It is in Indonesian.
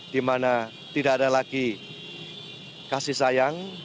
di mana tidak ada lagi kasih sayang